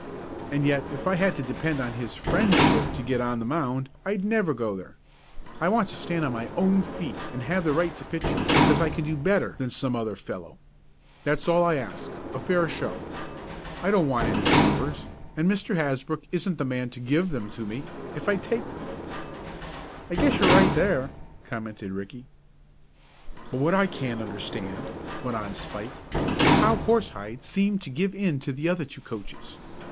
And yet if I had to depend on his friendship to get on the mound I'd never go there. I want to stand on my own feet and have the right to pitch because I can do better than some other fellow. That's all I ask a fair show. I don't want any favors, and Mr. Hasbrook isn't the man to give them to me, if I'd take them." "I guess you're right there," commented Ricky. "But what I can't understand," went on Spike, "is how Horsehide seemed to give in to the other two coaches.